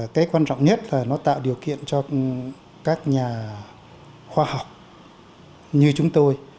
cái quan trọng nhất là nó tạo điều kiện cho các nhà khoa học như chúng tôi